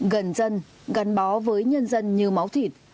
gần dân gắn bó với nhân dân như máu thịt